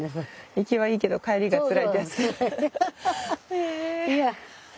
行きはいいけど帰りがつらいってやつですね。